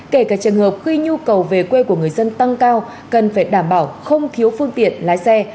kể cả trường hợp khi nhu cầu về quê của người dân tăng cao cần phải đảm bảo không thiếu phương tiện lái xe